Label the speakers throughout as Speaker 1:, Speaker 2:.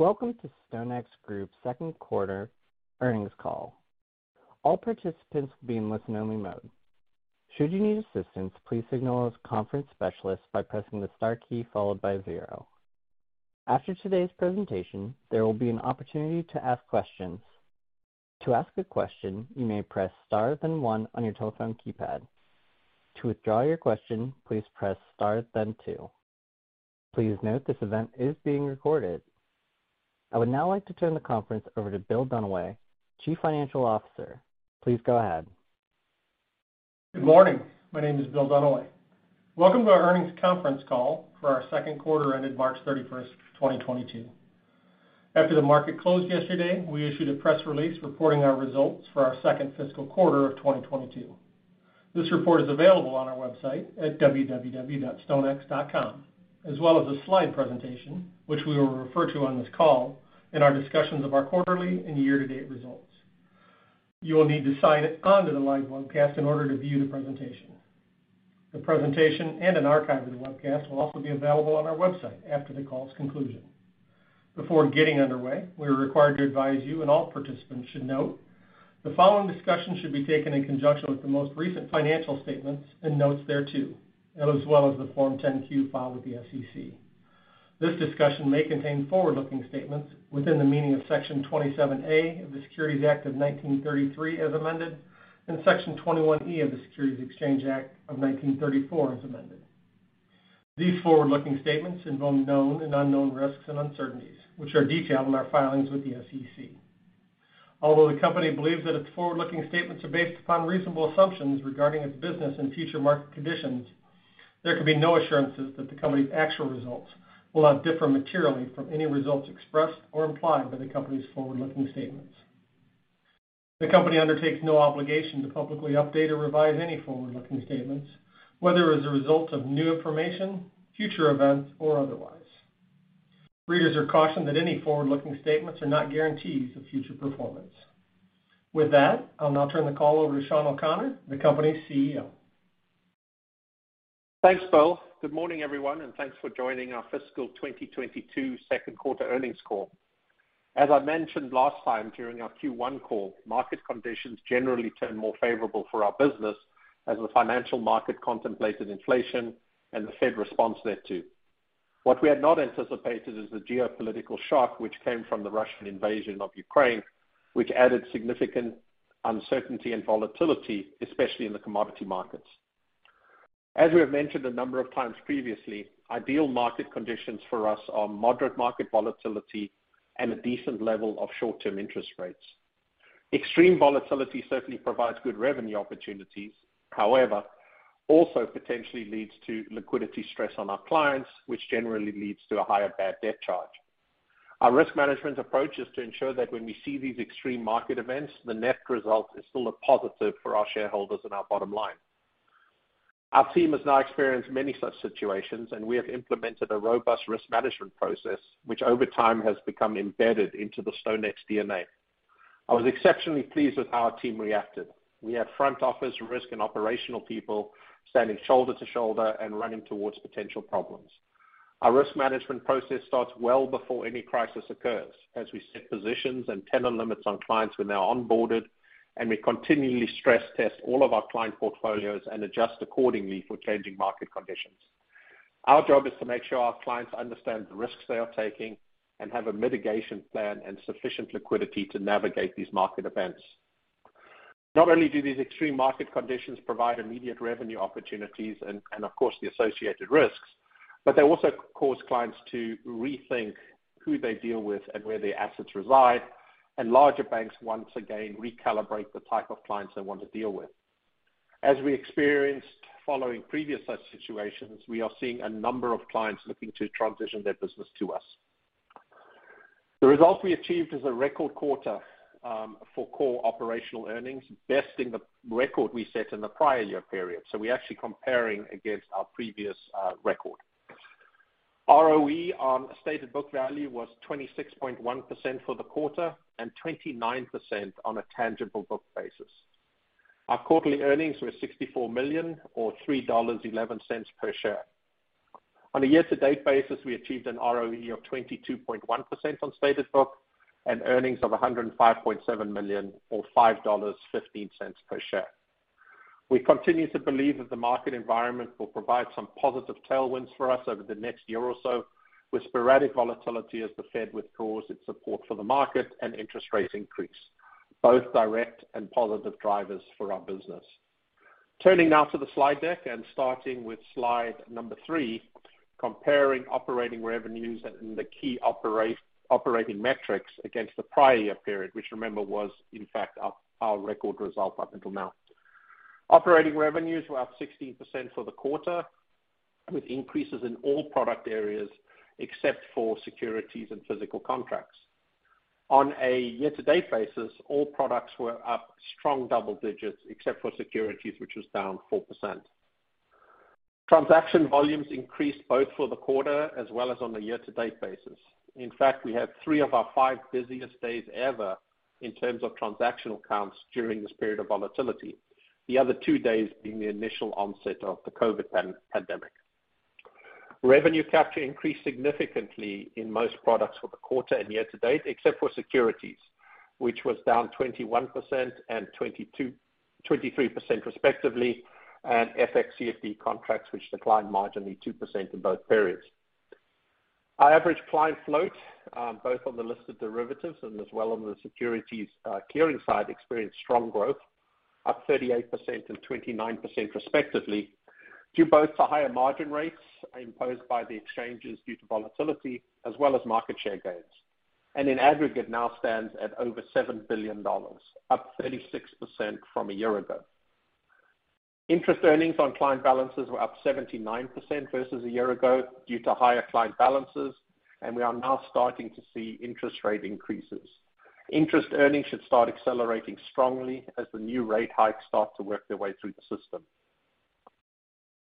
Speaker 1: Welcome to StoneX Group's second quarter earnings call. All participants will be in listen-only mode. Should you need assistance, please signal a conference specialist by pressing the star key followed by zero. After today's presentation, there will be an opportunity to ask questions. To ask a question, you may press star then one on your telephone keypad. To withdraw your question, please press star then two. Please note this event is being recorded. I would now like to turn the conference over to Bill Dunaway, Chief Financial Officer. Please go ahead.
Speaker 2: Good morning. My name is Bill Dunaway. Welcome to our earnings conference call for our second quarter ended March 31, 2022. After the market closed yesterday, we issued a press release reporting our results for our second fiscal quarter of 2022. This report is available on our website at www.stonex.com, as well as a slide presentation, which we will refer to on this call in our discussions of our quarterly and year-to-date results. You will need to sign on to the live webcast in order to view the presentation. The presentation and an archive of the webcast will also be available on our website after the call's conclusion. Before getting underway, we are required to advise you, and all participants should note the following discussion should be taken in conjunction with the most recent financial statements and notes thereto, as well as the Form 10-Q filed with the SEC. This discussion may contain forward-looking statements within the meaning of Section 27A of the Securities Act of 1933 as amended, and Section 21E of the Securities Exchange Act of 1934 as amended. These forward-looking statements involve known and unknown risks and uncertainties, which are detailed in our filings with the SEC. Although the company believes that its forward-looking statements are based upon reasonable assumptions regarding its business and future market conditions, there can be no assurances that the company's actual results will not differ materially from any results expressed or implied by the company's forward-looking statements. The company undertakes no obligation to publicly update or revise any forward-looking statements, whether as a result of new information, future events, or otherwise. Readers are cautioned that any forward-looking statements are not guarantees of future performance. With that, I'll now turn the call over to Sean O'Connor, the company's CEO.
Speaker 3: Thanks, Bill. Good morning, everyone, and thanks for joining our fiscal 2022 second quarter earnings call. As I mentioned last time during our Q1 call, market conditions generally turned more favorable for our business as the financial market contemplated inflation and the Fed response thereto. What we had not anticipated is the geopolitical shock which came from the Russian invasion of Ukraine, which added significant uncertainty and volatility, especially in the commodity markets. As we have mentioned a number of times previously, ideal market conditions for us are moderate market volatility and a decent level of short-term interest rates. Extreme volatility certainly provides good revenue opportunities, however, also potentially leads to liquidity stress on our clients, which generally leads to a higher bad debt charge. Our risk management approach is to ensure that when we see these extreme market events, the net result is still a positive for our shareholders and our bottom line. Our team has now experienced many such situations, and we have implemented a robust risk management process, which over time has become embedded into the StoneX DNA. I was exceptionally pleased with how our team reacted. We have front office risk and operational people standing shoulder to shoulder and running towards potential problems. Our risk management process starts well before any crisis occurs, as we set positions and tenor limits on clients who are now onboarded, and we continually stress test all of our client portfolios and adjust accordingly for changing market conditions. Our job is to make sure our clients understand the risks they are taking and have a mitigation plan and sufficient liquidity to navigate these market events. Not only do these extreme market conditions provide immediate revenue opportunities and of course the associated risks, but they also cause clients to rethink who they deal with and where their assets reside, and larger banks once again recalibrate the type of clients they want to deal with. As we experienced following previous such situations, we are seeing a number of clients looking to transition their business to us. The results we achieved is a record quarter for core operational earnings, besting the record we set in the prior year period. We're actually comparing against our previous record. ROE on stated book value was 26.1% for the quarter and 29% on a tangible book basis. Our quarterly earnings were $64 million or $3.11 per share. On a year-to-date basis, we achieved an ROE of 22.1% on stated book and earnings of $105.7 million or $5.15 per share. We continue to believe that the market environment will provide some positive tailwinds for us over the next year or so, with sporadic volatility as the Fed withdraws its support for the market and interest rates increase, both direct and positive drivers for our business. Turning now to the slide deck and starting with slide number three, comparing operating revenues and the key operating metrics against the prior year period, which remember was in fact our record result up until now. Operating revenues were up 16% for the quarter, with increases in all product areas except for securities and physical contracts. On a year-to-date basis, all products were up strong double digits except for securities, which was down 4%. Transaction volumes increased both for the quarter as well as on a year-to-date basis. In fact, we had three of our five busiest days ever in terms of transactional counts during this period of volatility. The other two days being the initial onset of the COVID pandemic. Revenue capture increased significantly in most products for the quarter and year-to-date, except for securities, which was down 21% and 23% respectively, and FX and CFD contracts, which declined marginally 2% in both periods. Our average client float, both on the listed derivatives and as well on the securities clearing side, experienced strong growth, up 38% and 29% respectively, due both to higher margin rates imposed by the exchanges due to volatility as well as market share gains. In aggregate now stands at over $7 billion, up 36% from a year ago. Interest earnings on client balances were up 79% versus a year ago due to higher client balances, and we are now starting to see interest rate increases. Interest earnings should start accelerating strongly as the new rate hikes start to work their way through the system.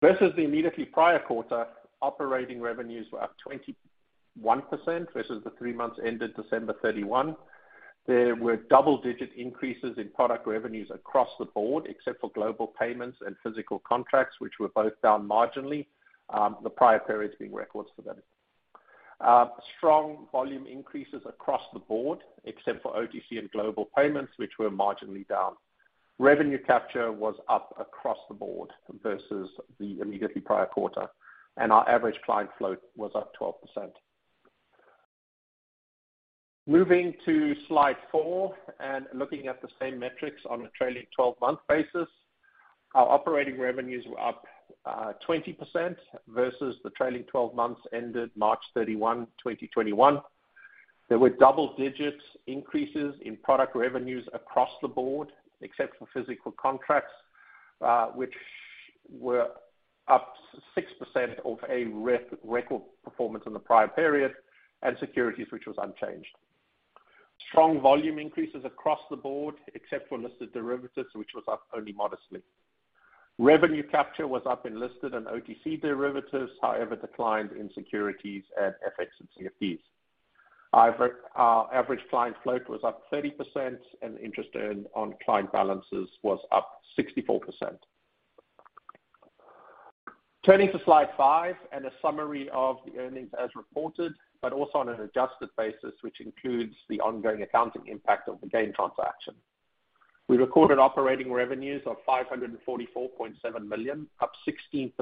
Speaker 3: Versus the immediately prior quarter, operating revenues were up 21% versus the three months ended December 31. There were double-digit increases in product revenues across the board, except for Global Payments and physical contracts, which were both down marginally, the prior periods being records for them. Strong volume increases across the board, except for OTC and Global Payments, which were marginally down. Revenue capture was up across the board versus the immediately prior quarter, and our average client float was up 12%. Moving to slide four and looking at the same metrics on a trailing twelve-month basis. Our operating revenues were up 20% versus the trailing twelve months ended March 31, 2021. There were double-digit increases in product revenues across the board, except for physical contracts, which were up 6% of a record performance in the prior period, and securities, which was unchanged. Strong volume increases across the board, except for listed derivatives, which was up only modestly. Revenue capture was up in listed and OTC derivatives, however, declined in securities at FX and CFDs. Our average client float was up 30% and interest earned on client balances was up 64%. Turning to slide five and a summary of the earnings as reported, but also on an adjusted basis, which includes the ongoing accounting impact of the GAIN transaction. We recorded operating revenues of $544.7 million, up 16%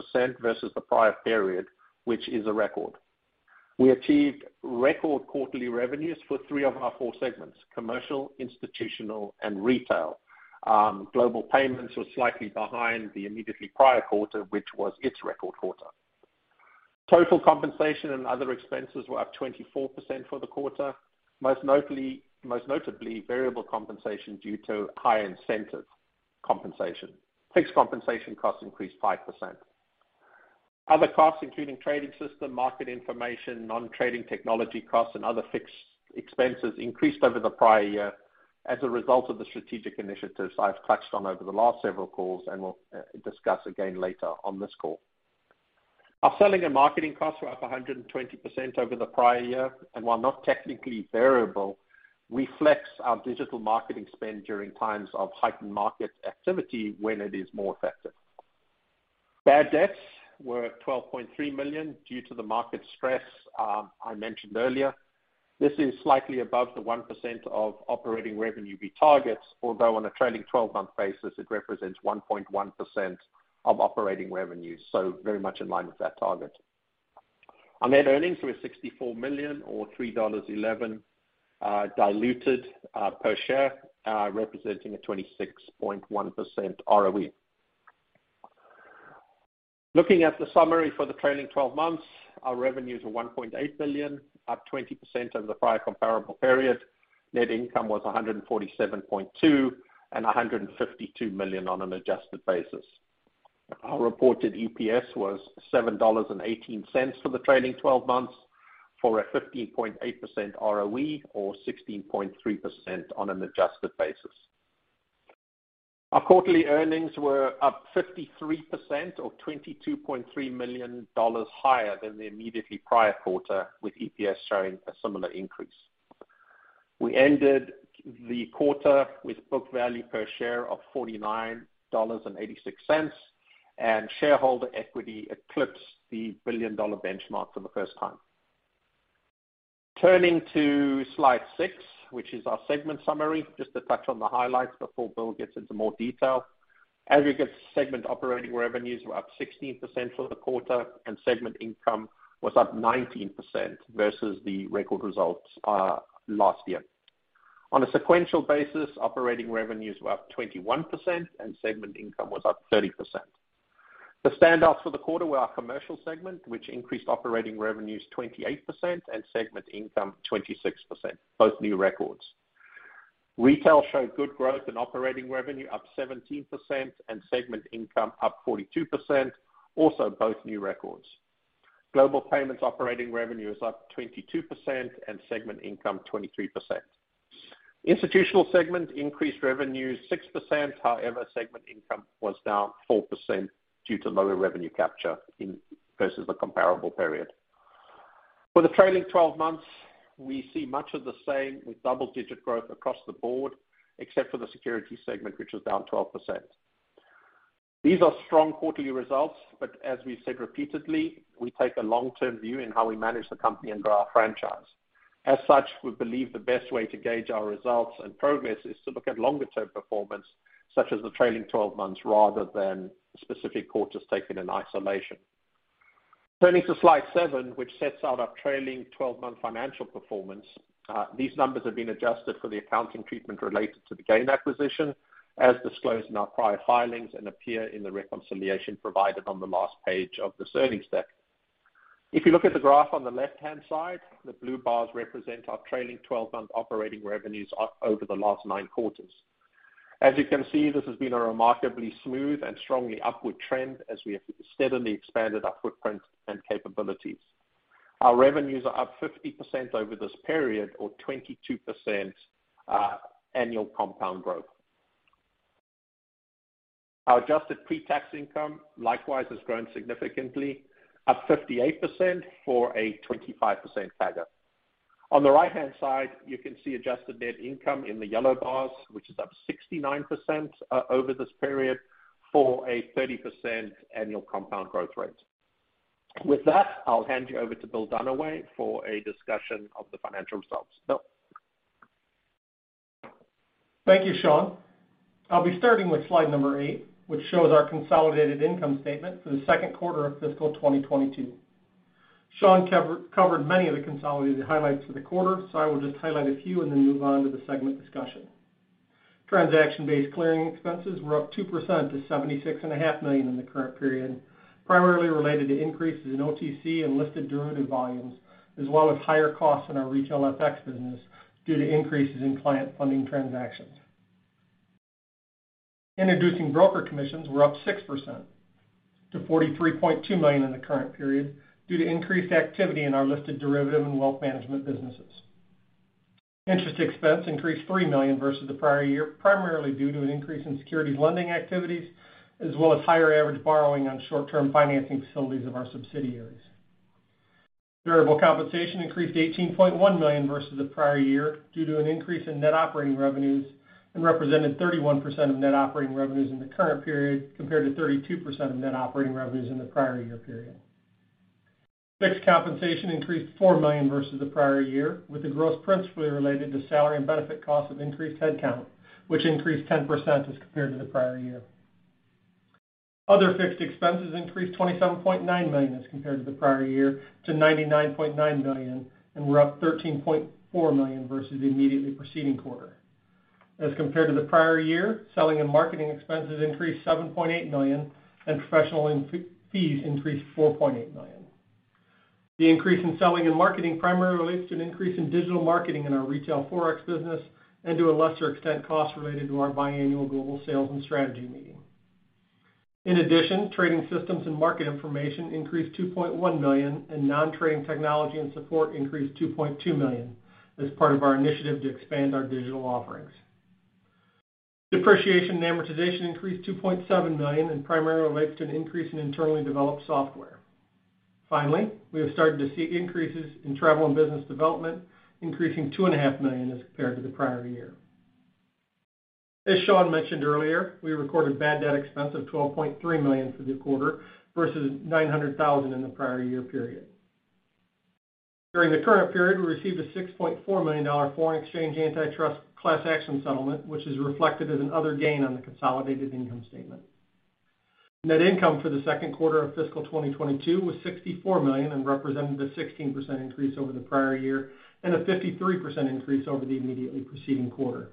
Speaker 3: versus the prior period, which is a record. We achieved record quarterly revenues for three of our four segments: commercial, institutional, and retail. Global Payments were slightly behind the immediately prior quarter, which was its record quarter. Total compensation and other expenses were up 24% for the quarter, most notably variable compensation due to high incentive compensation. Fixed compensation costs increased 5%. Other costs, including trading system, market information, non-trading technology costs, and other fixed expenses, increased over the prior year as a result of the strategic initiatives I've touched on over the last several calls and will discuss again later on this call. Our selling and marketing costs were up 120% over the prior year, and while not technically variable, we flex our digital marketing spend during times of heightened market activity when it is more effective. Bad debts were at $12.3 million due to the market stress I mentioned earlier. This is slightly above the 1% of operating revenue we target, although on a trailing twelve-month basis, it represents 1.1% of operating revenues, so very much in line with that target. Our net earnings were $64 million or $3.11 diluted per share, representing a 26.1% ROE. Looking at the summary for the trailing twelve months, our revenues were $1.8 billion, up 20% over the prior comparable period. Net income was $147.2 million and $152 million on an adjusted basis. Our reported EPS was $7.18 for the trailing twelve months for a 15.8% ROE or 16.3% on an adjusted basis. Our quarterly earnings were up 53% or $22.3 million higher than the immediately prior quarter, with EPS showing a similar increase. We ended the quarter with book value per share of $49.86, and shareholder equity eclipsed the billion-dollar benchmark for the first time. Turning to slide six, which is our segment summary. Just to touch on the highlights before Bill gets into more detail. Aggregate segment operating revenues were up 16% for the quarter, and segment income was up 19% versus the record results, last year. On a sequential basis, operating revenues were up 21% and segment income was up 30%. The standouts for the quarter were our commercial segment, which increased operating revenues 28% and segment income 26%, both new records. Retail showed good growth in operating revenue, up 17% and segment income up 42%, also both new records. Global Payments operating revenue is up 22% and segment income 23%. Institutional segment increased revenues 6%, however, segment income was down 4% due to lower revenue capture in versus the comparable period. For the trailing twelve months, we see much of the same, with double-digit growth across the board, except for the securities segment, which is down 12%. These are strong quarterly results, but as we've said repeatedly, we take a long-term view in how we manage the company and grow our franchise. As such, we believe the best way to gauge our results and progress is to look at longer-term performance, such as the trailing twelve months, rather than specific quarters taken in isolation. Turning to slide seven, which sets out our trailing twelve-month financial performance, these numbers have been adjusted for the accounting treatment related to the GAIN acquisition, as disclosed in our prior filings and appear in the reconciliation provided on the last page of this earnings deck. If you look at the graph on the left-hand side, the blue bars represent our trailing twelve-month operating revenues over the last nine quarters. As you can see, this has been a remarkably smooth and strongly upward trend as we have steadily expanded our footprint and capabilities. Our revenues are up 50% over this period or 22% annual compound growth. Our adjusted pre-tax income likewise has grown significantly, up 58% for a 25% CAGR. On the right-hand side, you can see adjusted net income in the yellow bars, which is up 69% over this period for a 30% annual compound growth rate. With that, I'll hand you over to Bill Dunaway for a discussion of the financial results. Bill?
Speaker 2: Thank you, Sean. I'll be starting with slide number eight, which shows our consolidated income statement for the second quarter of fiscal 2022. Sean covered many of the consolidated highlights for the quarter, so I will just highlight a few and then move on to the segment discussion. Transaction-based clearing expenses were up 2% to $76.5 million in the current period, primarily related to increases in OTC and listed derivative volumes, as well as higher costs in our retail FX business due to increases in client funding transactions. Introducing broker commissions were up 6% to $43.2 million in the current period due to increased activity in our listed derivative and wealth management businesses. Interest expense increased $3 million versus the prior year, primarily due to an increase in securities lending activities, as well as higher average borrowing on short-term financing facilities of our subsidiaries. Variable compensation increased $18.1 million versus the prior year due to an increase in net operating revenues and represented 31% of net operating revenues in the current period compared to 32% of net operating revenues in the prior year period. Fixed compensation increased $4 million versus the prior year, with the growth principally related to salary and benefit costs of increased headcount, which increased 10% as compared to the prior year. Other fixed expenses increased $27.9 million as compared to the prior year to $99.9 million and were up $13.4 million versus the immediately preceding quarter. As compared to the prior year, selling and marketing expenses increased $7.8 million, and professional fees increased $4.8 million. The increase in selling and marketing primarily relates to an increase in digital marketing in our retail forex business and, to a lesser extent, costs related to our biannual global sales and strategy meeting. In addition, trading systems and market information increased $2.1 million, and non-trading technology and support increased $2.2 million as part of our initiative to expand our digital offerings. Depreciation and amortization increased $2.7 million and primarily relates to an increase in internally developed software. Finally, we have started to see increases in travel and business development, increasing $2.5 million as compared to the prior year. As Sean mentioned earlier, we recorded bad debt expense of $12.3 million for the quarter versus $900,000 in the prior year period. During the current period, we received a $6.4 million foreign exchange antitrust class action settlement, which is reflected as an other gain on the consolidated income statement. Net income for the second quarter of fiscal 2022 was $64 million and represented a 16% increase over the prior year and a 53% increase over the immediately preceding quarter.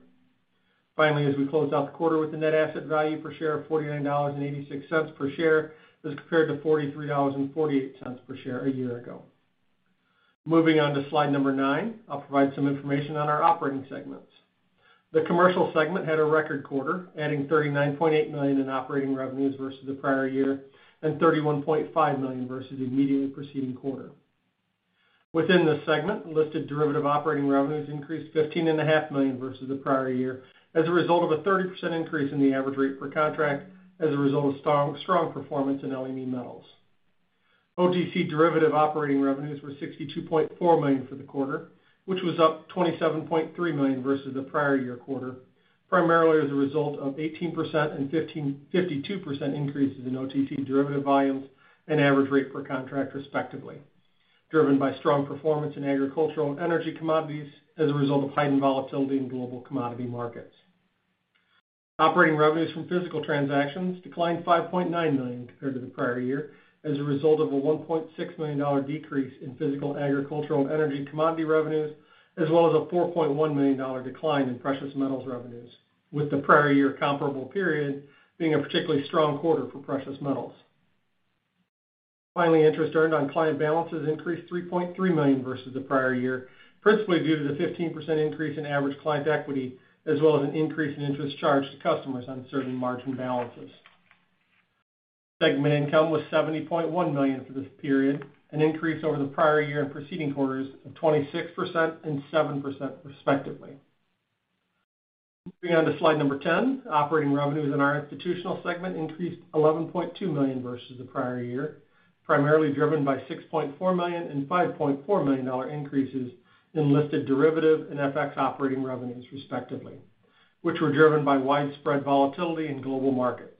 Speaker 2: Finally, as we close out the quarter with a net asset value per share of $49.86 per share as compared to $43.48 per share a year ago. Moving on to slide nine, I'll provide some information on our operating segments. The commercial segment had a record quarter, adding $39.8 million in operating revenues versus the prior year and $31.5 million versus the immediately preceding quarter. Within this segment, listed derivative operating revenues increased $15.5 million versus the prior year as a result of a 30% increase in the average rate per contract as a result of strong performance in LME Metals. OTC derivative operating revenues were $62.4 million for the quarter, which was up $27.3 million versus the prior year quarter, primarily as a result of 18% and 52% increases in OTC derivative volumes and average rate per contract respectively, driven by strong performance in agricultural and energy commodities as a result of heightened volatility in global commodity markets. Operating revenues from physical transactions declined $5.9 million compared to the prior year as a result of a $1.6 million decrease in physical agricultural and energy commodity revenues, as well as a $4.1 million decline in precious metals revenues, with the prior year comparable period being a particularly strong quarter for precious metals. Interest earned on client balances increased $3.3 million versus the prior year, principally due to the 15% increase in average client equity, as well as an increase in interest charged to customers on certain margin balances. Segment income was $70.1 million for this period, an increase over the prior year in preceding quarters of 26% and 7% respectively. Moving on to slide number 10. Operating revenues in our institutional segment increased $11.2 million versus the prior year, primarily driven by $6.4 million and $5.4 million increases in listed derivatives and FX operating revenues, respectively, which were driven by widespread volatility in global markets.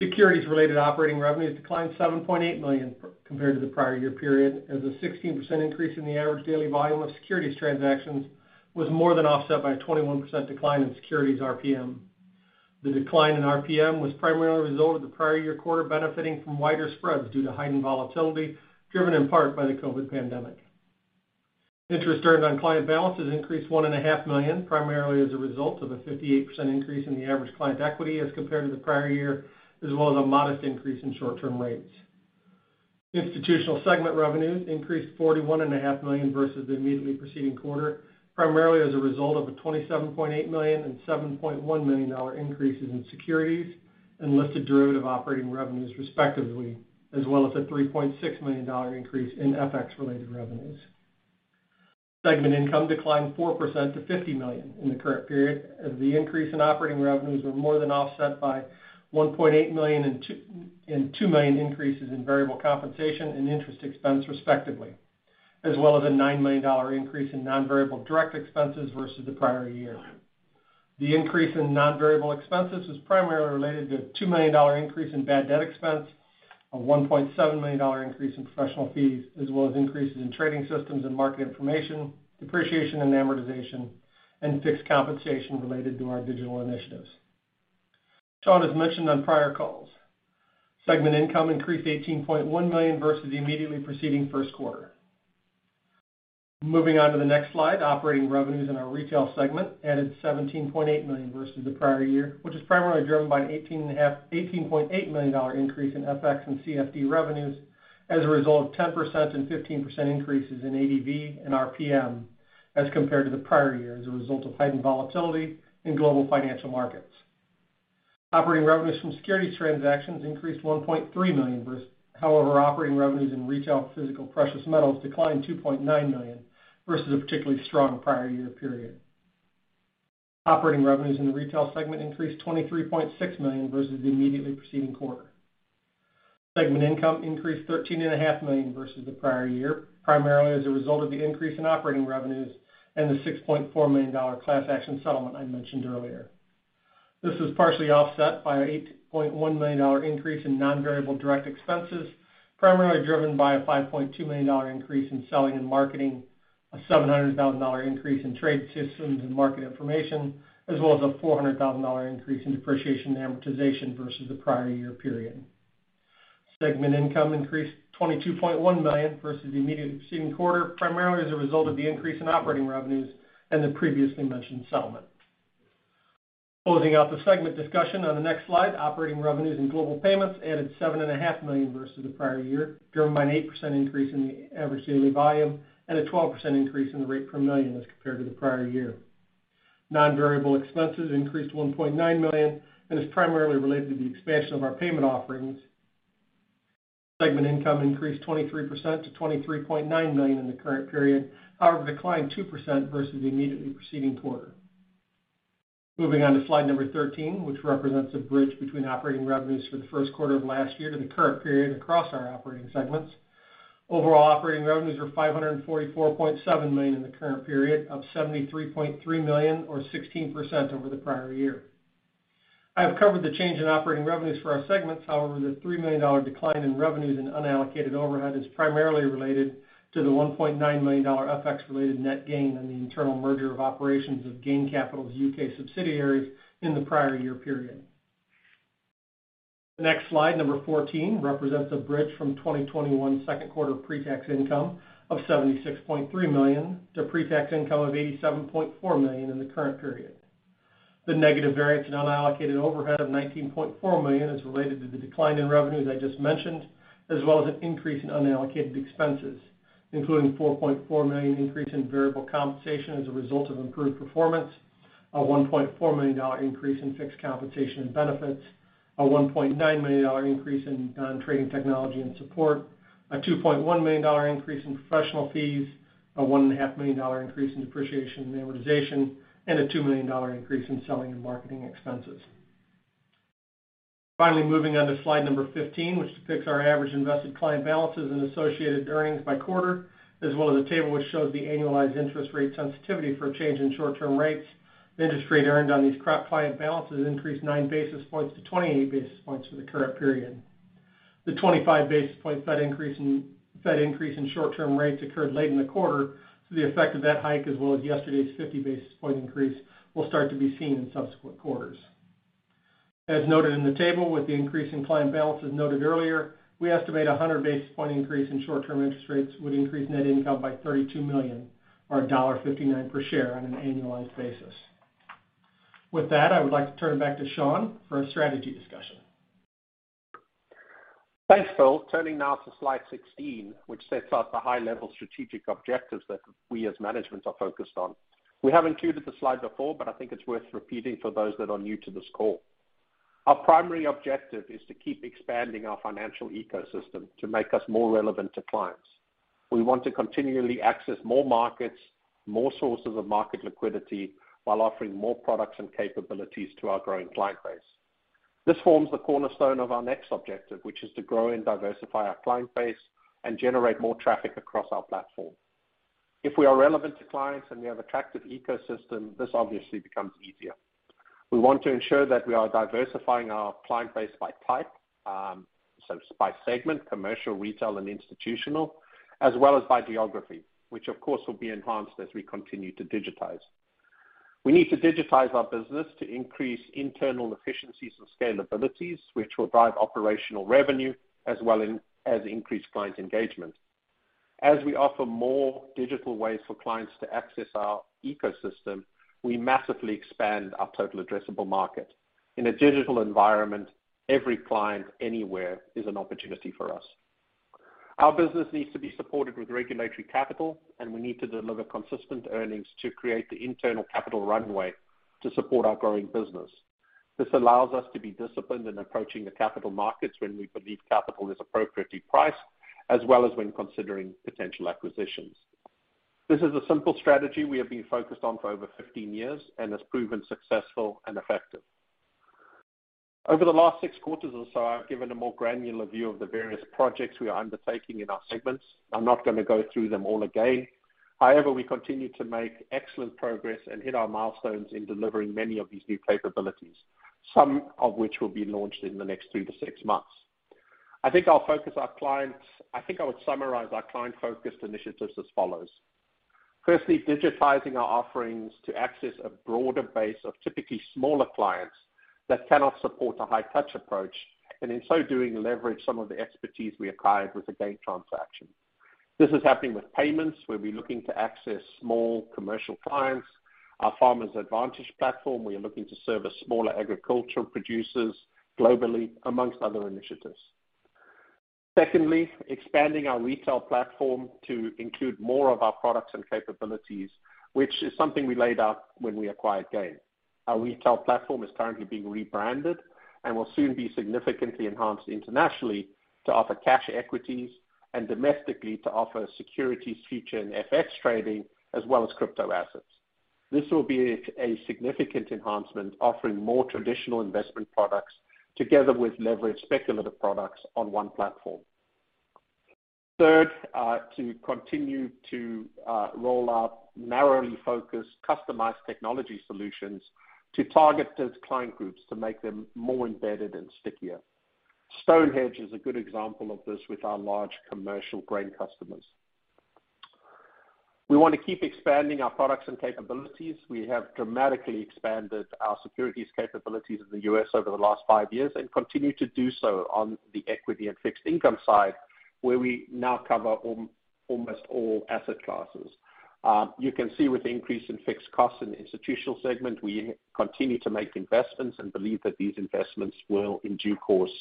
Speaker 2: Securities-related operating revenues declined $7.8 million compared to the prior year period, as a 16% increase in the average daily volume of securities transactions was more than offset by a 21% decline in securities RPM. The decline in RPM was primarily a result of the prior year quarter benefiting from wider spreads due to heightened volatility, driven in part by the COVID pandemic. Interest earned on client balances increased $1.5 million, primarily as a result of a 58% increase in the average client equity as compared to the prior year, as well as a modest increase in short-term rates. Institutional segment revenues increased $41.5 million versus the immediately preceding quarter, primarily as a result of a $27.8 million and $7.1 million dollar increases in securities and listed derivative operating revenues, respectively, as well as a $3.6 million dollar increase in FX-related revenues. Segment income declined 4% to $50 million in the current period as the increase in operating revenues were more than offset by $1.8 million, $2 million, and $2 million increases in variable compensation and interest expense, respectively, as well as a $9 million dollar increase in non-variable direct expenses versus the prior year. The increase in non-variable expenses was primarily related to a $2 million increase in bad debt expense, a $1.7 million increase in professional fees, as well as increases in trading systems and market information, depreciation and amortization, and fixed compensation related to our digital initiatives. Sean has mentioned on prior calls. Segment income increased $18.1 million versus the immediately preceding first quarter. Moving on to the next slide, operating revenues in our retail segment added $17.8 million versus the prior year, which is primarily driven by an $18.8 million increase in FX and CFD revenues as a result of 10% and 15% increases in ADV and RPM as compared to the prior year as a result of heightened volatility in global financial markets. Operating revenues from securities transactions increased $1.3 million versus, however, operating revenues in retail physical precious metals declined $2.9 million versus a particularly strong prior year period. Operating revenues in the retail segment increased $23.6 million versus the immediately preceding quarter. Segment income increased $13.5 million versus the prior year, primarily as a result of the increase in operating revenues and the $6.4 million class action settlement I mentioned earlier. This was partially offset by an $8.1 million increase in non-variable direct expenses, primarily driven by a $5.2 million increase in selling and marketing, a $700,000 increase in trade systems and market information, as well as a $400,000 increase in depreciation and amortization versus the prior year period. Segment income increased $22.1 million versus the immediately preceding quarter, primarily as a result of the increase in operating revenues and the previously mentioned settlement. Closing out the segment discussion on the next slide, operating revenues in Global Payments added $7.5 million versus the prior year, driven by an 8% increase in the average daily volume and a 12% increase in the rate per million as compared to the prior year. Non-variable expenses increased $1.9 million and is primarily related to the expansion of our payment offerings. Segment income increased 23% to $23.9 million in the current period, however, declined 2% versus the immediately preceding quarter. Moving on to slide 13, which represents a bridge between operating revenues for the first quarter of last year to the current period across our operating segments. Overall operating revenues were $544.7 million in the current period, up $73.3 million or 16% over the prior year. I have covered the change in operating revenues for our segments. However, the $3 million decline in revenues in unallocated overhead is primarily related to the $1.9 million FX-related net gain on the internal merger of operations of GAIN Capital's UK subsidiaries in the prior year period. The next slide, number 14, represents a bridge from 2021 second quarter pre-tax income of $76.3 million to pre-tax income of $87.4 million in the current period. The negative variance in unallocated overhead of $19.4 million is related to the decline in revenues I just mentioned, as well as an increase in unallocated expenses, including $4.4 million increase in variable compensation as a result of improved performance, a $1.4 million increase in fixed compensation and benefits, a $1.9 million increase in non-trading technology and support, a $2.1 million increase in professional fees, a one and a half million dollar increase in depreciation and amortization, and a $2 million increase in selling and marketing expenses. Finally, moving on to slide number 15, which depicts our average invested client balances and associated earnings by quarter, as well as a table which shows the annualized interest rate sensitivity for a change in short-term rates. The interest rate earned on these client balances increased nine basis points to 28 basis points for the current period. The 25 basis point Fed increase in short-term rates occurred late in the quarter, so the effect of that hike, as well as yesterday's 50 basis point increase, will start to be seen in subsequent quarters. As noted in the table, with the increase in client balances noted earlier, we estimate 100 basis point increase in short-term interest rates would increase net income by $32 million or $1.59 per share on an annualized basis. With that, I would like to turn it back to Sean for a strategy discussion.
Speaker 3: Thanks, Bill. Turning now to slide 16, which sets out the high-level strategic objectives that we as management are focused on. We have included the slide before, but I think it's worth repeating for those that are new to this call. Our primary objective is to keep expanding our financial ecosystem to make us more relevant to clients. We want to continually access more markets, more sources of market liquidity, while offering more products and capabilities to our growing client base. This forms the cornerstone of our next objective, which is to grow and diversify our client base and generate more traffic across our platform. If we are relevant to clients and we have attractive ecosystem, this obviously becomes easier. We want to ensure that we are diversifying our client base by type, so by segment, commercial, retail, and institutional, as well as by geography, which of course will be enhanced as we continue to digitize. We need to digitize our business to increase internal efficiencies and scalabilities, which will drive operational revenue as well as increased client engagement. As we offer more digital ways for clients to access our ecosystem, we massively expand our total addressable market. In a digital environment, every client anywhere is an opportunity for us. Our business needs to be supported with regulatory capital, and we need to deliver consistent earnings to create the internal capital runway to support our growing business. This allows us to be disciplined in approaching the capital markets when we believe capital is appropriately priced, as well as when considering potential acquisitions. This is a simple strategy we have been focused on for over 15 years and has proven successful and effective. Over the last six quarters or so, I've given a more granular view of the various projects we are undertaking in our segments. I'm not gonna go through them all again. However, we continue to make excellent progress and hit our milestones in delivering many of these new capabilities, some of which will be launched in the next two to six months. I think I would summarize our client-focused initiatives as follows. Firstly, digitizing our offerings to access a broader base of typically smaller clients that cannot support a high-touch approach, and in so doing, leverage some of the expertise we acquired with the GAIN transaction. This is happening with payments, where we're looking to access small commercial clients. Our Farm Advantage platform, we are looking to service smaller agricultural producers globally, among other initiatives. Secondly, expanding our retail platform to include more of our products and capabilities, which is something we laid out when we acquired GAIN. Our retail platform is currently being rebranded and will soon be significantly enhanced internationally to offer cash equities and domestically to offer securities, futures, and FX trading, as well as crypto assets. This will be a significant enhancement, offering more traditional investment products together with leveraged speculative products on one platform. Third, to continue to roll out narrowly focused customized technology solutions to target those client groups to make them more embedded and stickier. StoneX Hedge is a good example of this with our large commercial grain customers. We wanna keep expanding our products and capabilities. We have dramatically expanded our securities capabilities in the U.S. over the last five years and continue to do so on the equity and fixed income side, where we now cover almost all asset classes. You can see with the increase in fixed costs in the institutional segment, we continue to make investments and believe that these investments will, in due course,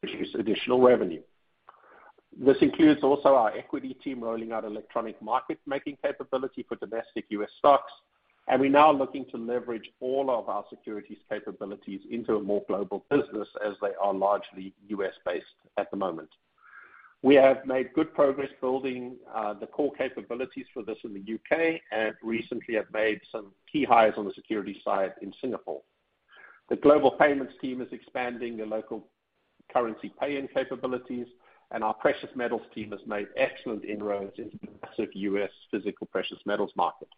Speaker 3: produce additional revenue. This includes also our equity team rolling out electronic market-making capability for domestic U.S. stocks, and we're now looking to leverage all of our securities capabilities into a more global business as they are largely U.S.-based at the moment. We have made good progress building the core capabilities for this in the U.K., and recently have made some key hires on the securities side in Singapore. The Global Payments team is expanding the local currency pay-in capabilities, and our precious metals team has made excellent inroads into the massive U.S. physical precious metals market.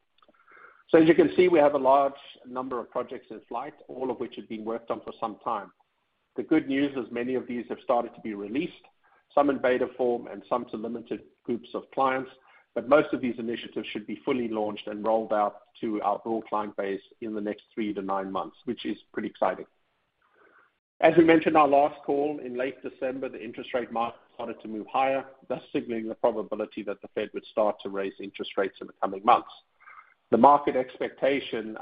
Speaker 3: As you can see, we have a large number of projects in flight, all of which have been worked on for some time. The good news is many of these have started to be released, some in beta form and some to limited groups of clients, but most of these initiatives should be fully launched and rolled out to our broad client base in the next three to nine months, which is pretty exciting. As we mentioned on our last call, in late December, the interest rate market started to move higher, thus signaling the probability that the Fed would start to raise interest rates in the coming months. The market expectation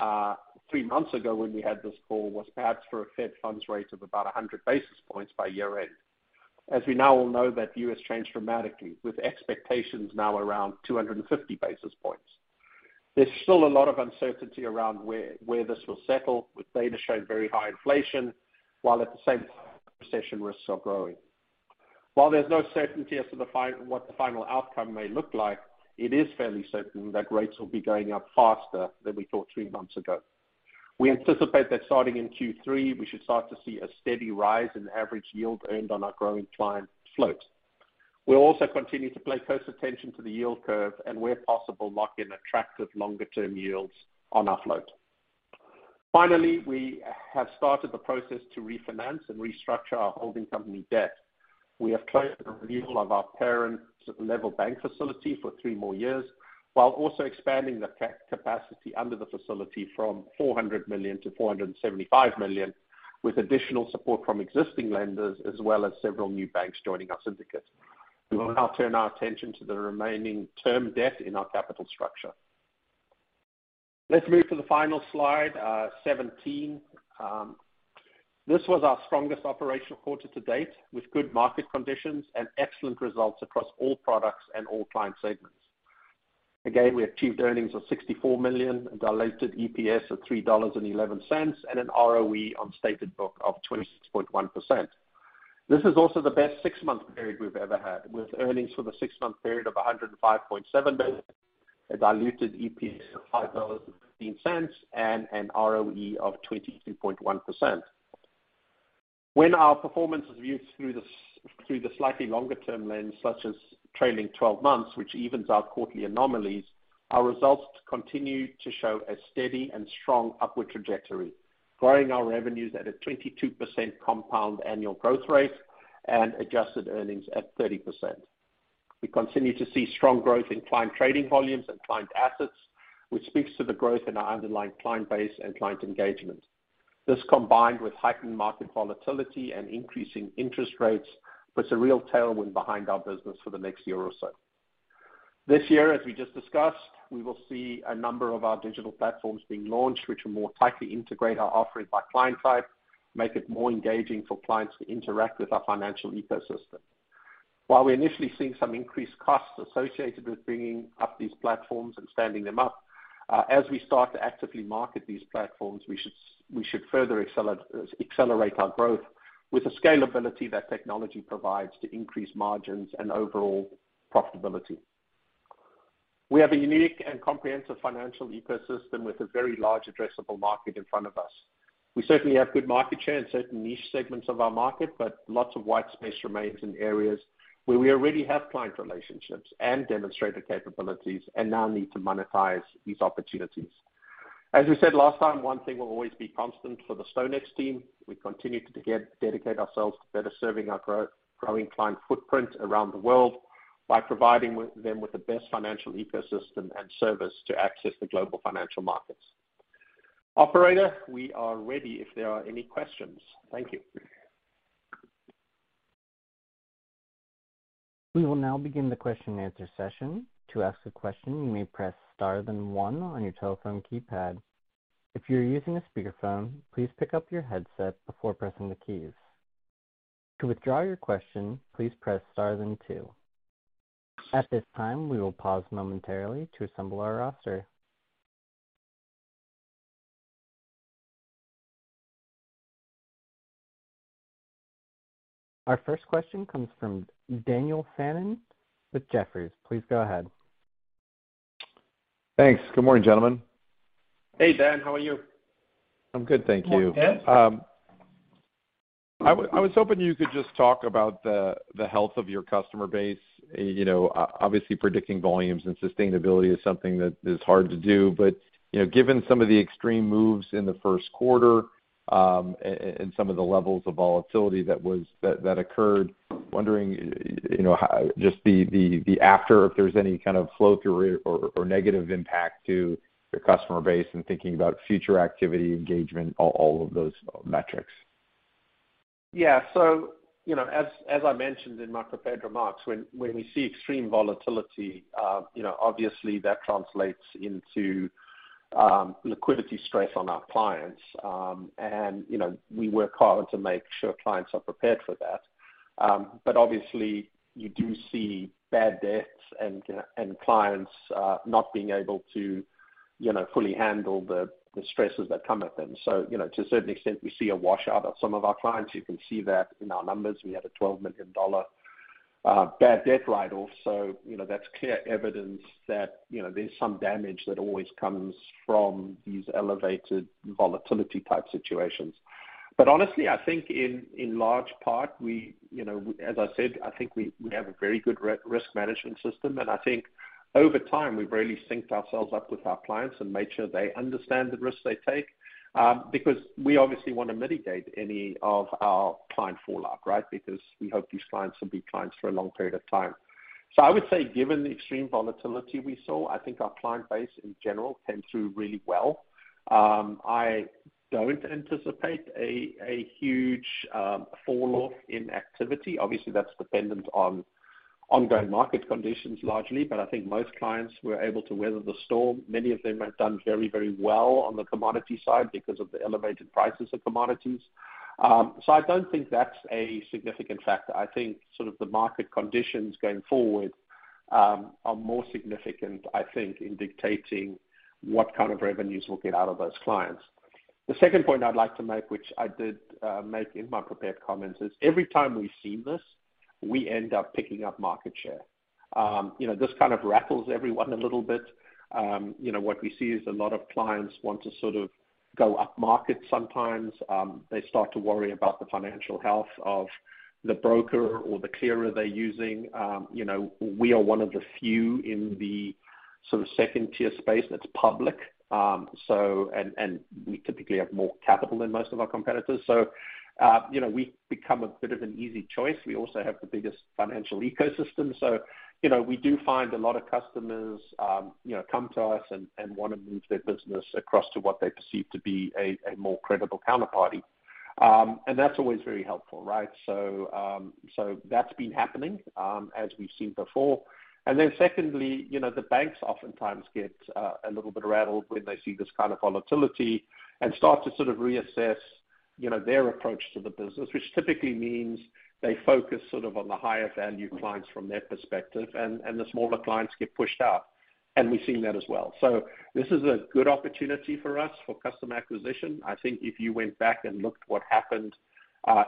Speaker 3: three months ago when we had this call was perhaps for a Fed funds rate of about 100 basis points by year-end. As we now all know, that view has changed dramatically, with expectations now around 250 basis points. There's still a lot of uncertainty around where this will settle, with data showing very high inflation, while at the same time, recession risks are growing. While there's no certainty as to what the final outcome may look like, it is fairly certain that rates will be going up faster than we thought three months ago. We anticipate that starting in Q3, we should start to see a steady rise in average yield earned on our growing client float. We'll also continue to pay close attention to the yield curve and, where possible, lock in attractive longer-term yields on our float. Finally, we have started the process to refinance and restructure our holding company debt. We have closed a renewal of our parent level bank facility for three more years while also expanding the capacity under the facility from $400 million to $475 million with additional support from existing lenders as well as several new banks joining our syndicate. We will now turn our attention to the remaining term debt in our capital structure. Let's move to the final slide, 17. This was our strongest operational quarter to date, with good market conditions and excellent results across all products and all client segments. Again, we achieved earnings of $64 million, a diluted EPS of $3.11, and an ROE on stated book of 26.1%. This is also the best six-month period we've ever had, with earnings for the six-month period of $105.7 million, a diluted EPS of $5.15, and an ROE of 22.1%. When our performance is viewed through the slightly longer-term lens, such as trailing twelve months, which evens out quarterly anomalies, our results continue to show a steady and strong upward trajectory, growing our revenues at a 22% compound annual growth rate and adjusted earnings at 30%. We continue to see strong growth in client trading volumes and client assets, which speaks to the growth in our underlying client base and client engagement. This combined with heightened market volatility and increasing interest rates, puts a real tailwind behind our business for the next year or so. This year, as we just discussed, we will see a number of our digital platforms being launched, which will more tightly integrate our offering by client type, make it more engaging for clients to interact with our financial ecosystem. While we're initially seeing some increased costs associated with bringing up these platforms and standing them up, as we start to actively market these platforms, we should further accelerate our growth with the scalability that technology provides to increase margins and overall profitability. We have a unique and comprehensive financial ecosystem with a very large addressable market in front of us. We certainly have good market share in certain niche segments of our market, but lots of white space remains in areas where we already have client relationships and demonstrated capabilities and now need to monetize these opportunities. As we said last time, one thing will always be constant for the StoneX team. We continue to dedicate ourselves to better serving our growing client footprint around the world by providing them with the best financial ecosystem and service to access the global financial markets. Operator, we are ready if there are any questions. Thank you.
Speaker 1: We will now begin the question and answer session. To ask a question, you may press star then one on your telephone keypad. If you're using a speakerphone, please pick up your headset before pressing the keys. To withdraw your question, please press star then two. At this time, we will pause momentarily to assemble our roster. Our first question comes from Daniel Fannon with Jefferies. Please go ahead.
Speaker 4: Thanks. Good morning, gentlemen.
Speaker 3: Hey, Dan, how are you?
Speaker 4: I'm good, thank you.
Speaker 3: Good morning, Daniel Fannon.
Speaker 4: I was hoping you could just talk about the health of your customer base. You know, obviously, predicting volumes and sustainability is something that is hard to do. You know, given some of the extreme moves in the first quarter, and some of the levels of volatility that occurred, wondering, you know, how just the aftermath, if there's any kind of flow-through or negative impact to your customer base and thinking about future activity, engagement, all of those metrics.
Speaker 3: Yeah. You know, as I mentioned in my prepared remarks, when we see extreme volatility, you know, obviously that translates into liquidity stress on our clients. You know, we work hard to make sure clients are prepared for that. Obviously, you do see bad debts and clients not being able to, you know, fully handle the stresses that come at them. You know, to a certain extent, we see a washout of some of our clients. You can see that in our numbers. We had a $12 million bad debt write-off. You know, that's clear evidence that, you know, there's some damage that always comes from these elevated volatility type situations. Honestly, I think in large part, you know, as I said, I think we have a very good risk management system. I think over time, we've really synced ourselves up with our clients and made sure they understand the risks they take, because we obviously wanna mitigate any of our client fallout, right? Because we hope these clients will be clients for a long period of time. I would say, given the extreme volatility we saw, I think our client base in general came through really well. I don't anticipate a huge fall-off in activity. Obviously, that's dependent on ongoing market conditions, largely, but I think most clients were able to weather the storm. Many of them have done very, very well on the commodity side because of the elevated prices of commodities. I don't think that's a significant factor. I think sort of the market conditions going forward are more significant, I think, in dictating what kind of revenues we'll get out of those clients. The second point I'd like to make, which I did make in my prepared comments, is every time we've seen this, we end up picking up market share. You know, this kind of rattles everyone a little bit. You know, what we see is a lot of clients want to sort of go upmarket sometimes. They start to worry about the financial health of the broker or the clearer they're using. You know, we are one of the few in the sort of second-tier space that's public. We typically have more capital than most of our competitors. You know, we become a bit of an easy choice. We also have the biggest financial ecosystem. You know, we do find a lot of customers, you know, come to us and wanna move their business across to what they perceive to be a more credible counterparty. That's always very helpful, right? That's been happening, as we've seen before. Secondly, you know, the banks oftentimes get a little bit rattled when they see this kind of volatility and start to sort of reassess. You know, their approach to the business, which typically means they focus sort of on the higher value clients from their perspective and the smaller clients get pushed out, and we've seen that as well. This is a good opportunity for us for customer acquisition. I think if you went back and looked what happened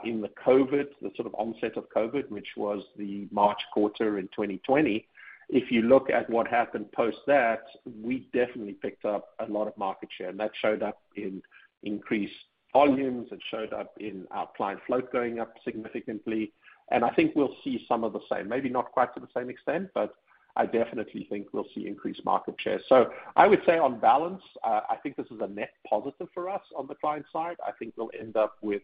Speaker 3: in the COVID, the sort of onset of COVID, which was the March quarter in 2020, if you look at what happened post that, we definitely picked up a lot of market share. That showed up in increased volumes. It showed up in our client float going up significantly. I think we'll see some of the same, maybe not quite to the same extent, but I definitely think we'll see increased market share. I would say on balance, I think this is a net positive for us on the client side. I think we'll end up with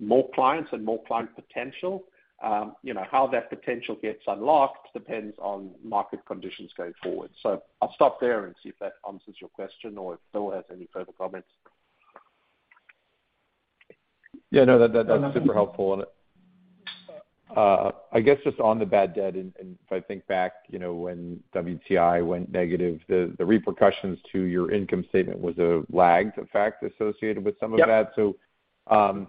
Speaker 3: more clients and more client potential. How that potential gets unlocked depends on market conditions going forward. I'll stop there and see if that answers your question or if Phil has any further comments.
Speaker 4: Yeah, no. That's super helpful. I guess just on the bad debt, if I think back, you know, when WTI went negative, the repercussions to your income statement was a lagged effect associated with some of that.
Speaker 3: Yep.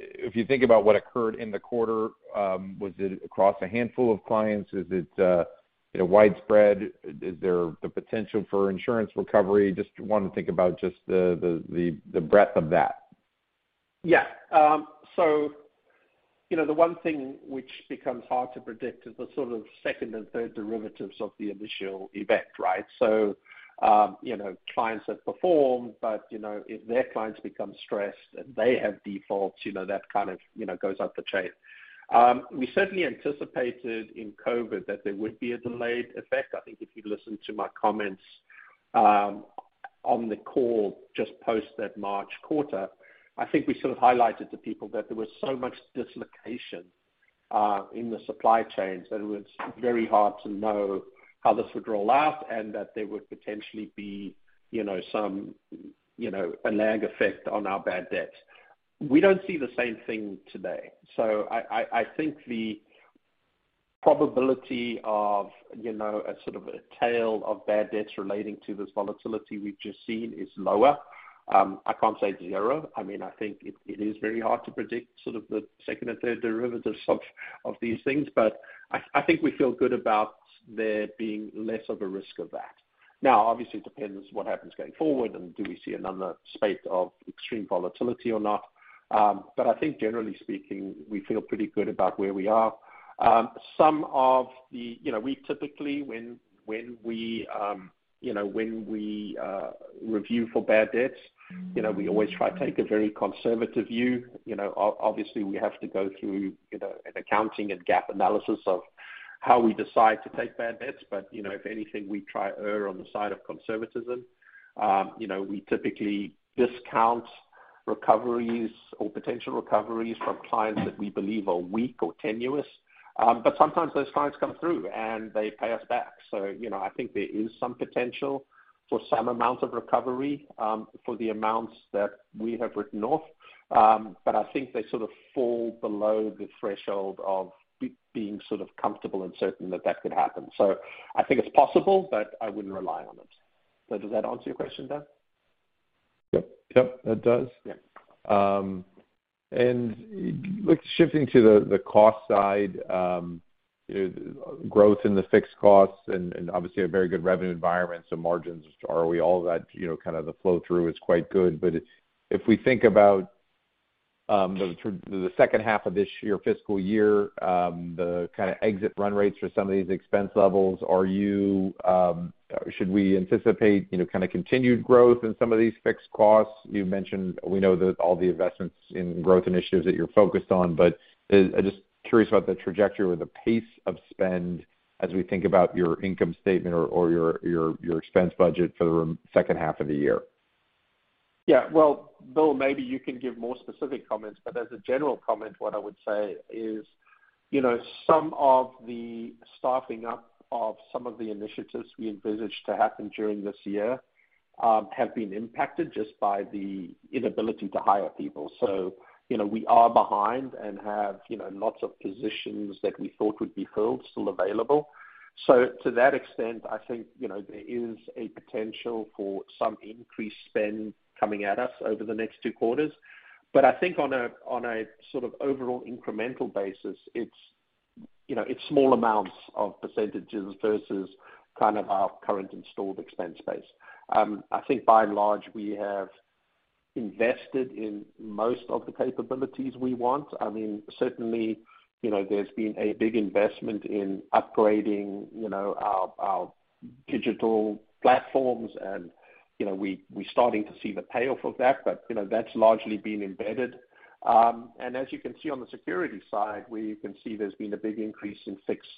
Speaker 4: If you think about what occurred in the quarter, was it across a handful of clients? Is it, you know, widespread? Is there the potential for insurance recovery? Just want to think about just the breadth of that.
Speaker 3: Yeah, you know, the one thing which becomes hard to predict is the sort of second and third derivatives of the initial event, right? Clients have performed, but, you know, if their clients become stressed and they have defaults, you know, that kind of, you know, goes up the chain. We certainly anticipated in COVID that there would be a delayed effect. I think if you listen to my comments on the call just post that March quarter, I think we sort of highlighted to people that there was so much dislocation in the supply chains, and it was very hard to know how this would roll out and that there would potentially be, you know, some, you know, a lag effect on our bad debt. We don't see the same thing today. I think the probability of, you know, a sort of a tail of bad debts relating to this volatility we've just seen is lower. I can't say zero. I mean, I think it is very hard to predict sort of the second or third derivatives of these things, but I think we feel good about there being less of a risk of that. Obviously, it depends what happens going forward and do we see another spate of extreme volatility or not. I think generally speaking, we feel pretty good about where we are. Some of the. You know, we typically review for bad debts.
Speaker 4: Mm-hmm.
Speaker 3: You know, we always try to take a very conservative view. You know, obviously, we have to go through, you know, an accounting and GAAP analysis of how we decide to take bad debts. You know, if anything, we try to err on the side of conservatism. You know, we typically discount recoveries or potential recoveries from clients that we believe are weak or tenuous. Sometimes those clients come through, and they pay us back. You know, I think there is some potential for some amount of recovery, for the amounts that we have written off. I think they sort of fall below the threshold of being sort of comfortable and certain that that could happen. I think it's possible, but I wouldn't rely on it. Does that answer your question, Dan?
Speaker 4: Yep. Yep, it does.
Speaker 3: Yeah.
Speaker 4: Look, shifting to the cost side, growth in the fixed costs and obviously a very good revenue environment, so margins are well ahead, you know, kind of the flow through is quite good. If we think about the second half of this year, fiscal year, the kind of exit run rates for some of these expense levels, should we anticipate, you know, kind of continued growth in some of these fixed costs? You've mentioned, you know, that all the investments in growth initiatives that you're focused on, but I'm just curious about the trajectory or the pace of spend as we think about your income statement or your expense budget for the second half of the year.
Speaker 3: Yeah. Well, Bill, maybe you can give more specific comments, but as a general comment, what I would say is, you know, some of the staffing up of some of the initiatives we envisaged to happen during this year, have been impacted just by the inability to hire people. So, you know, we are behind and have, you know, lots of positions that we thought would be filled still available. So to that extent, I think, you know, there is a potential for some increased spend coming at us over the next two quarters. But I think on a, on a sort of overall incremental basis, it's, you know, it's small amounts of percentages versus kind of our current installed expense base. I think by and large, we have invested in most of the capabilities we want. I mean, certainly, you know, there's been a big investment in upgrading, you know, our digital platforms, and, you know, we're starting to see the payoff of that. You know, that's largely been embedded. As you can see on the securities side, we can see there's been a big increase in fixed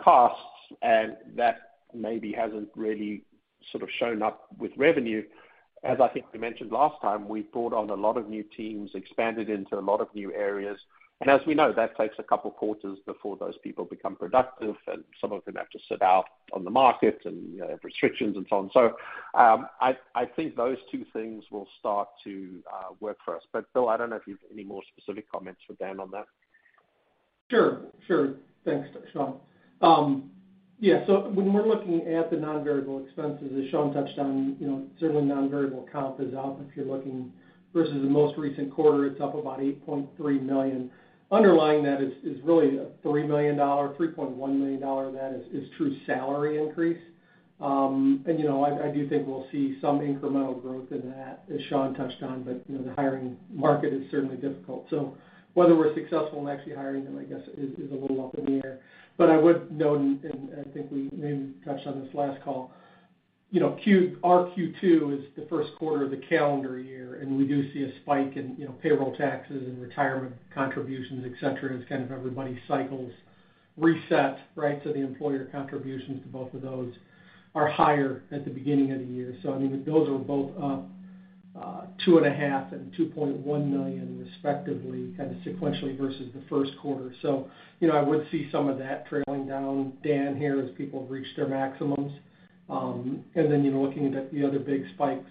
Speaker 3: costs, and that maybe hasn't really sort of shown up with revenue. As I think we mentioned last time, we brought on a lot of new teams, expanded into a lot of new areas. As we know, that takes a couple quarters before those people become productive, and some of them have to sit out on the market and, you know, restrictions and so on. I think those two things will start to work for us. Bill, I don't know if you have any more specific comments for Dan on that.
Speaker 2: Sure, sure. Thanks, Sean. Yeah, when we're looking at the non-variable expenses, as Sean touched on, you know, certainly non-variable comp is up. If you're looking versus the most recent quarter, it's up about $8.3 million. Underlying that is really a $3.1 million of that is true salary increase. You know, I do think we'll see some incremental growth in that, as Sean touched on. You know, the hiring market is certainly difficult. Whether we're successful in actually hiring them, I guess, is a little up in the air. I would note, and I think we maybe touched on this last call, you know, our Q2 is the first quarter of the calendar year, and we do see a spike in, you know, payroll taxes and retirement contributions, et cetera, as kind of everybody's cycles reset, right? The employer contributions to both of those are higher at the beginning of the year. I mean, those are both up $2.5 million and $2.1 million respectively, kind of sequentially versus the first quarter. You know, I would see some of that trailing down, Dan, here as people reach their maximums. Then, you know, looking at the other big spikes,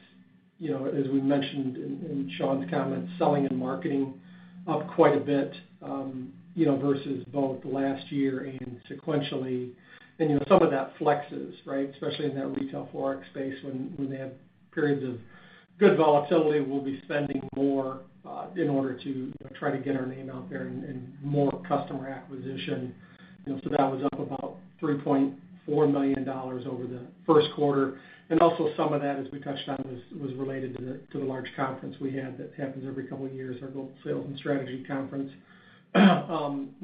Speaker 2: you know, as we mentioned in Sean's comments, selling and marketing up quite a bit, you know, versus both last year and sequentially. You know, some of that flexes, right? Especially in that retail Forex space when they have periods of good volatility, we'll be spending more in order to try to get our name out there and more customer acquisition, you know. That was up about $3.4 million over the first quarter. Also some of that, as we touched on, was related to the large conference we had that happens every couple of years, our gold sales and strategy conference. You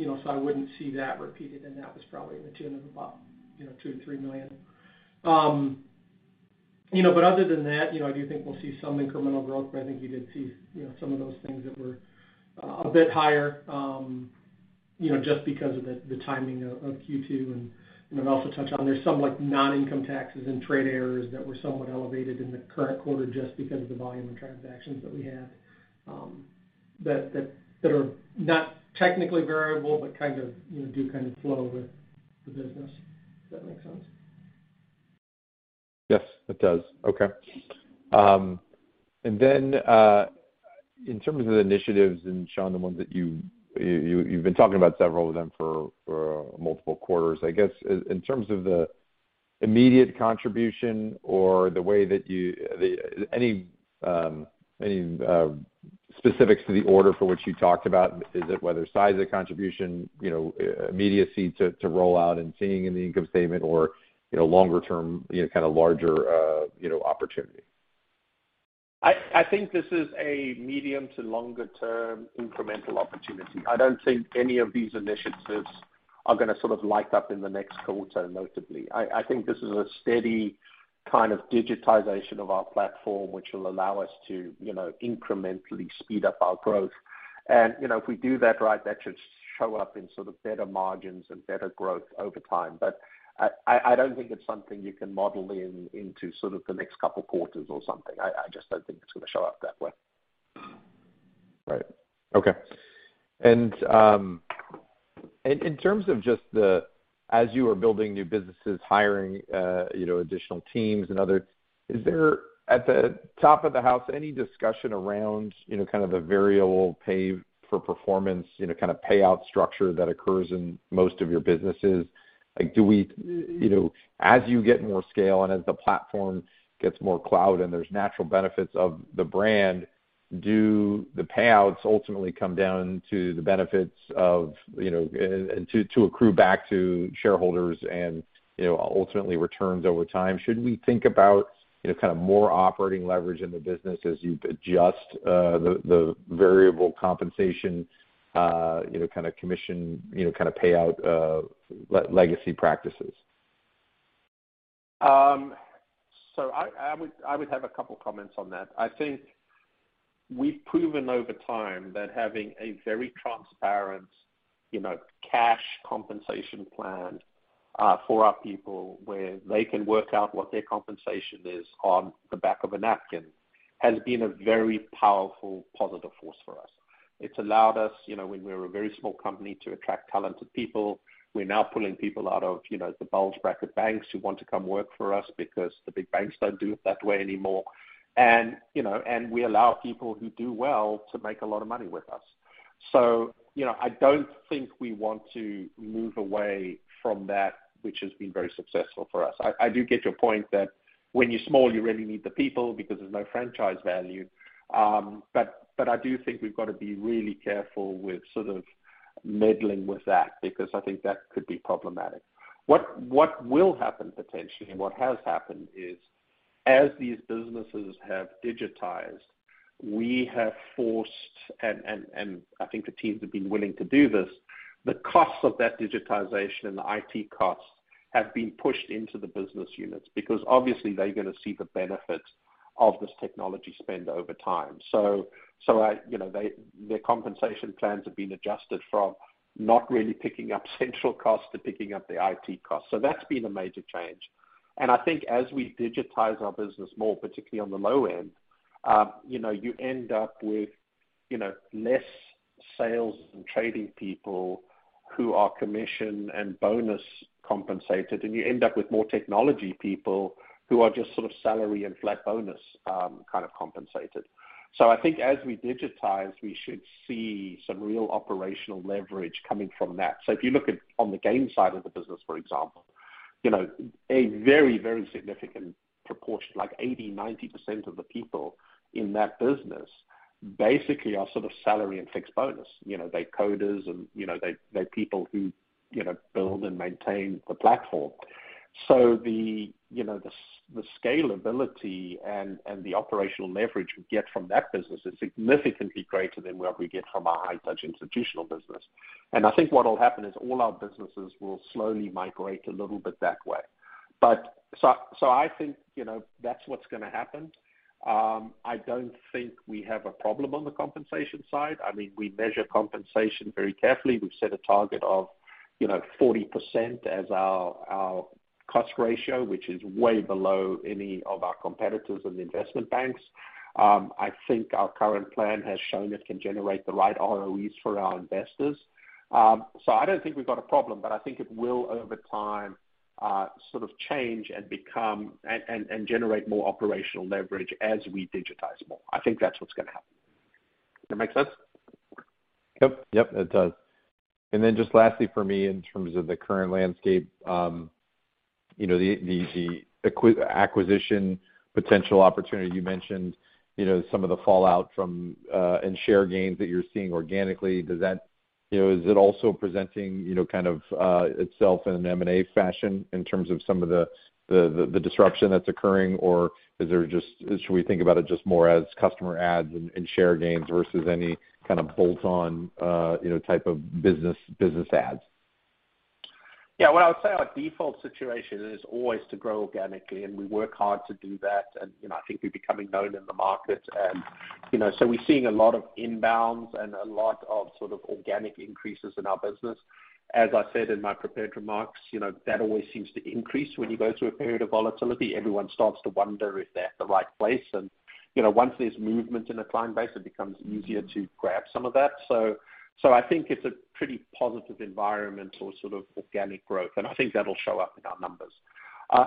Speaker 2: know, so I wouldn't see that repeated, and that was probably to the tune of about $2-$3 million. You know, other than that, you know, I do think we'll see some incremental growth, but I think you did see, you know, some of those things that were a bit higher, you know, just because of the timing of Q2. You know, also touch on, there's some like non-income taxes and trade errors that were somewhat elevated in the current quarter just because of the volume of transactions that we had, that are not technically variable, but kind of, you know, do kind of flow with the business. If that makes sense.
Speaker 4: Yes, it does. Okay. In terms of the initiatives and Sean, the ones that you've been talking about several of them for multiple quarters. I guess in terms of the immediate contribution or the way that any specifics to the order for which you talked about? Is it whether size of the contribution, you know, immediacy to roll out and seeing in the income statement or, you know, longer term, you know, kind of larger, you know, opportunity?
Speaker 3: I think this is a medium to longer term incremental opportunity. I don't think any of these initiatives are gonna sort of light up in the next quarter, notably. I think this is a steady kind of digitization of our platform, which will allow us to, you know, incrementally speed up our growth. You know, if we do that right, that should show up in sort of better margins and better growth over time. But I don't think it's something you can model into sort of the next couple quarters or something. I just don't think it's gonna show up that way.
Speaker 4: Right. Okay. In terms of just as you are building new businesses, hiring, you know, additional teams and other, is there, at the top of the house, any discussion around, you know, kind of a variable pay for performance, you know, kind of payout structure that occurs in most of your businesses? Like, do we, as you get more scale and as the platform gets more cloud and there's natural benefits of the brand, do the payouts ultimately come down to the benefits of, you know, to accrue back to shareholders and, you know, ultimately returns over time? Should we think about, you know, kind of more operating leverage in the business as you adjust the variable compensation, you know, kind of commission, you know, kind of payout legacy practices?
Speaker 3: I would have a couple comments on that. I think we've proven over time that having a very transparent, you know, cash compensation plan, for our people, where they can work out what their compensation is on the back of a napkin, has been a very powerful positive force for us. It's allowed us, you know, when we were a very small company, to attract talented people. We're now pulling people out of, you know, the bulge bracket banks who want to come work for us because the big banks don't do it that way anymore. You know, and we allow people who do well to make a lot of money with us. You know, I don't think we want to move away from that, which has been very successful for us. I do get your point that when you're small, you really need the people because there's no franchise value. I do think we've got to be really careful with sort of meddling with that, because I think that could be problematic. What will happen potentially, and what has happened is, as these businesses have digitized, we have forced, and I think the teams have been willing to do this, the costs of that digitization and the IT costs have been pushed into the business units because obviously they're gonna see the benefits of this technology spend over time. You know, their compensation plans have been adjusted from not really picking up central costs to picking up the IT costs. That's been a major change. I think as we digitize our business more, particularly on the low end, you know, you end up with, you know, less sales and trading people who are commission and bonus compensated, and you end up with more technology people who are just sort of salary and flat bonus, kind of compensated. I think as we digitize, we should see some real operational leverage coming from that. If you look at the GAIN side of the business, for example. You know, a very, very significant proportion, like 80, 90% of the people in that business basically are sort of salary and fixed bonus. You know, they're coders and, you know, they're people who, you know, build and maintain the platform. The scalability and the operational leverage we get from that business is significantly greater than what we get from our high touch institutional business. I think what will happen is all our businesses will slowly migrate a little bit that way. I think that's what's gonna happen. I don't think we have a problem on the compensation side. I mean, we measure compensation very carefully. We've set a target of 40% as our cost ratio, which is way below any of our competitors in the investment banks. I think our current plan has shown it can generate the right ROEs for our investors. I don't think we've got a problem, but I think it will, over time, sort of change and become and generate more operational leverage as we digitize more. I think that's what's gonna happen. That make sense?
Speaker 4: Yep, yep, it does. Then just lastly for me in terms of the current landscape, you know, the acquisition potential opportunity you mentioned, you know, some of the fallout from and share gains that you're seeing organically, does that, you know, is it also presenting, you know, kind of itself in an M&A fashion in terms of some of the disruption that's occurring, or should we think about it just more as customer adds and share gains versus any kind of bolt-on, you know, type of business adds?
Speaker 3: Yeah. What I would say our default situation is always to grow organically, and we work hard to do that. You know, I think we're becoming known in the market. You know, so we're seeing a lot of inbounds and a lot of sort of organic increases in our business. As I said in my prepared remarks, you know, that always seems to increase when you go through a period of volatility. Everyone starts to wonder if they're at the right place. You know, once there's movement in a client base, it becomes easier to grab some of that. So I think it's a pretty positive environment or sort of organic growth. I think that'll show up in our numbers.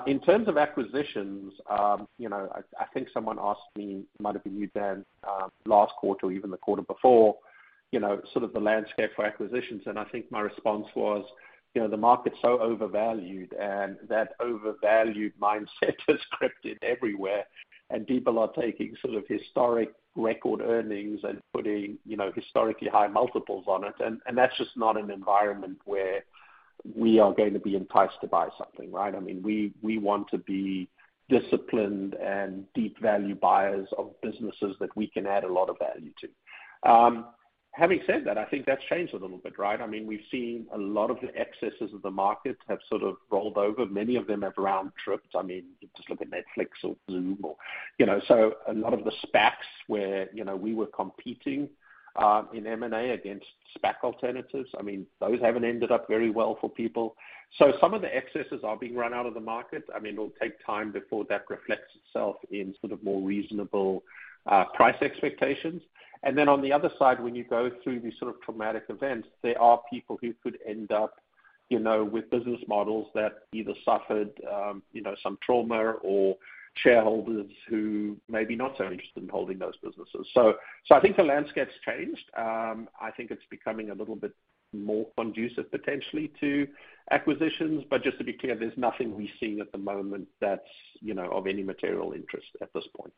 Speaker 3: In terms of acquisitions, you know, I think someone asked me, might have been you, Daniel, last quarter or even the quarter before, you know, sort of the landscape for acquisitions. I think my response was, you know, the market's so overvalued and that overvalued mindset is spread everywhere and people are taking sort of historic record earnings and putting, you know, historically high multiples on it. That's just not an environment where we are going to be enticed to buy something, right? I mean, we want to be disciplined and deep value buyers of businesses that we can add a lot of value to. Having said that, I think that's changed a little bit, right? I mean, we've seen a lot of the excesses of the market have sort of rolled over. Many of them have round-tripped. I mean, just look at Netflix or Zoom or, you know. A lot of the SPACs where, you know, we were competing in M&A against SPAC alternatives, I mean, those haven't ended up very well for people. Some of the excesses are being run out of the market. I mean, it'll take time before that reflects itself in sort of more reasonable price expectations. Then on the other side, when you go through these sort of traumatic events, there are people who could end up, you know, with business models that either suffered, you know, some trauma or shareholders who may be not so interested in holding those businesses. I think the landscape's changed. I think it's becoming a little bit more conducive potentially to acquisitions. Just to be clear, there's nothing we're seeing at the moment that's, you know, of any material interest at this point.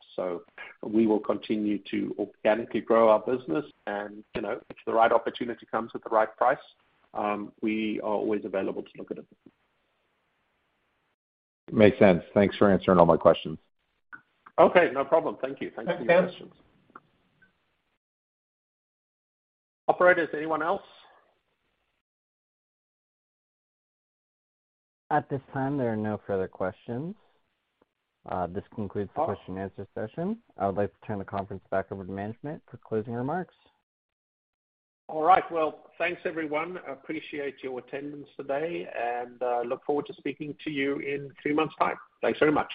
Speaker 3: We will continue to organically grow our business and, you know, if the right opportunity comes at the right price, we are always available to look at it.
Speaker 4: Makes sense. Thanks for answering all my questions.
Speaker 3: Okay, no problem. Thank you. Thanks for the questions. Operator, anyone else?
Speaker 1: At this time, there are no further questions. This concludes the question and answer session. I would like to turn the conference back over to management for closing remarks.
Speaker 3: All right. Well, thanks, everyone. Appreciate your attendance today, and look forward to speaking to you in three months' time. Thanks very much.